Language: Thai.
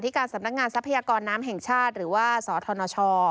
การสำนักงานทรัพยากรน้ำแห่งชาติหรือว่าสธนช